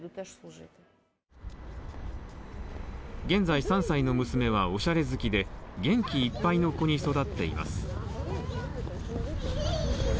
現在３歳の娘はおしゃれ好きで元気いっぱいの子に育っています。